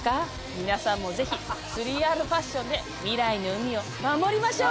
皆さんも是非３Ｒファッションで未来の海を守りましょう！